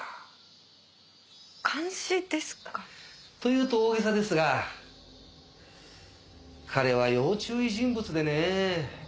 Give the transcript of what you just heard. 監視ですか。と言うと大げさですが彼は要注意人物でねえ。